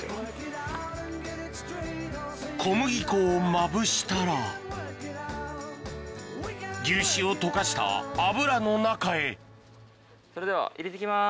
小麦粉をまぶしたら牛脂を溶かした油の中へそれでは入れて行きます。